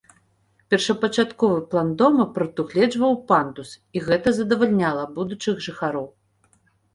Першапачатковы план дома прадугледжваў пандус, і гэта задавальняла будучых жыхароў.